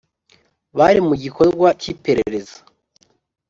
bari mugikorwa k’ iperereza